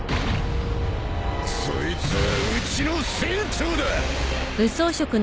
そいつはうちの船長だ！